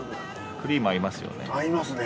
クリーム合いますよね。